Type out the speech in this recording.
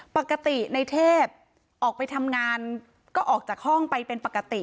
ปกติในเทพออกไปทำงานก็ออกจากห้องไปเป็นปกติ